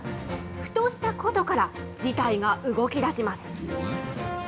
ふとしたことから、事態が動きだします。